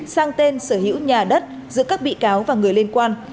sang tên sở hữu nhà đất giữa các bị cáo và người liên quan